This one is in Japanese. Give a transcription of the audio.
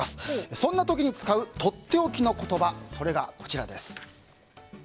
そんな時に使うとっておきの言葉それがこちらです。